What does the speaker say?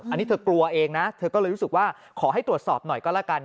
อันนี้เธอกลัวเองนะเธอก็เลยรู้สึกว่าขอให้ตรวจสอบหน่อยก็แล้วกัน